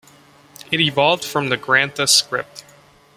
It evolved from the Grantha script.